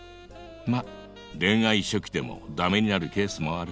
ま恋愛初期でもダメになるケースもある。